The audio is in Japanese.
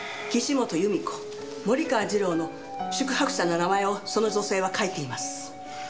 岸本由美子森川次郎の宿泊者の名前をその女性は書いています。